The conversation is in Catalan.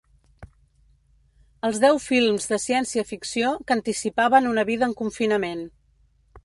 Els deu films de ciència-ficció que anticipaven una vida en confinament.